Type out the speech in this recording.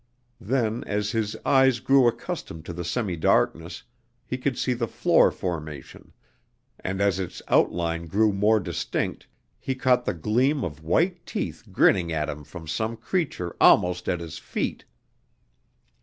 Then, as his eyes grew accustomed to the semi darkness, he could see the floor formation, and as its outlines grew more distinct, he caught the gleam of white teeth grinning at him from some creature almost at his feet!